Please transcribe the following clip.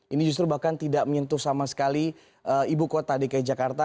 ini justru bahkan tidak menyentuh sama sekali ibu kota dki jakarta